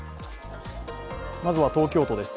まずは、東京都です。